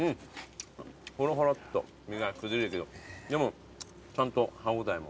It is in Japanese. ほろほろっと身が崩れるけどでもちゃんと歯応えも。